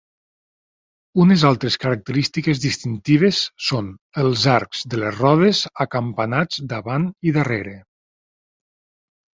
Unes altres característiques distintives són els arc de les rodes acampanats davant i darrere.